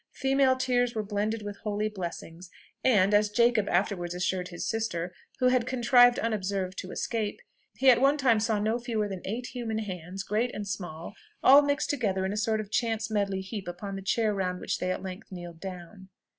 Female tears were blended with holy blessings; and, as Jacob afterwards assured his sister, who had contrived unobserved to escape, he at one time saw no fewer than eight human hands, great and small, all mixed together in a sort of chance medley heap upon the chair round which they at length kneeled down.